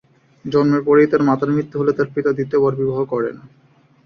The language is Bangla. জন্মের পরেই তার মাতার মৃত্যু হলে তার পিতা দ্বিতীয়বার বিবাহ করেন।